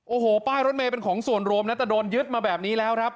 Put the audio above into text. โอ้โหป้ายรถเมย์เป็นของส่วนรวมนะแต่โดนยึดมาแบบนี้แล้วครับ